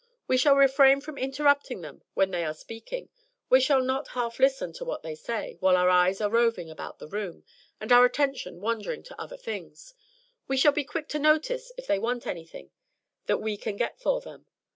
We shall refrain from interrupting them when they are speaking. We shall not half listen to what they say, while our eyes are roving about the room, and our attention wandering to other things. We shall be quick to notice if they want anything that we can get for them.